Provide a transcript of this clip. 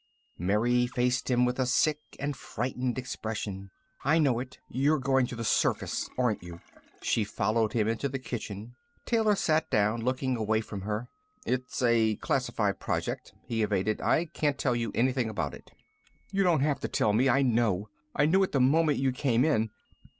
Mary faced him with a sick and frightened expression. "I know it. You're going to the surface. Aren't you?" She followed him into the kitchen. Taylor sat down, looking away from her. "It's a classified project," he evaded. "I can't tell you anything about it." "You don't have to tell me. I know. I knew it the moment you came in.